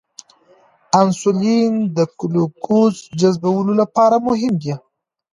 انسولین د ګلوکوز جذبولو لپاره مهم دی.